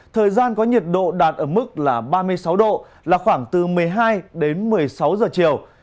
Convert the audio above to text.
thời gian có nhiệt độ đạt ở mức là ba mươi sáu độ là khoảng từ một mươi hai đến một mươi sáu giờ chiều